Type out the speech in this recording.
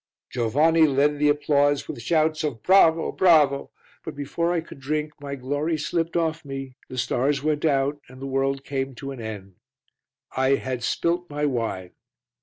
Giovanni led the applause with shouts of "Bravo, bravo!" but before I could drink, my glory slipped off me, the stars went out and the world came to an end. I had spilt my wine.